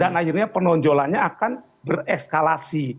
dan akhirnya penonjolannya akan bereskalasi